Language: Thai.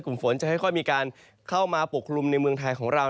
ฝนจะค่อยมีการเข้ามาปกคลุมในเมืองไทยของเรา